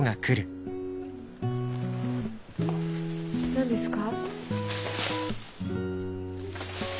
何ですか？